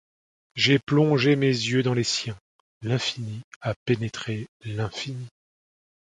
J’ai plongé mes yeux dans les siens: l’infini a pénétré l’infini.